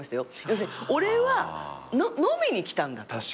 要するに俺は飲みに来たんだと。